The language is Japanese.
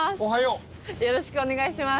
よろしくお願いします。